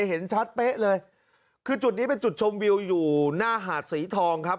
เห็นชัดเป๊ะเลยคือจุดนี้เป็นจุดชมวิวอยู่หน้าหาดสีทองครับ